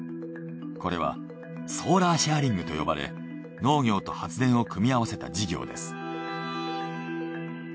これはソーラーシェアリングと呼ばれ農業と発電を組み合わせた事業です。